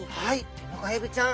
テナガエビちゃん。